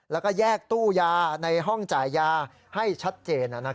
แล้วก็แยกตู้ยาในห้องจ่ายยาให้ชัดเจน